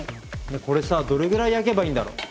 これさどれぐらい焼けばいいんだろ？